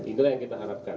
inilah yang kita harapkan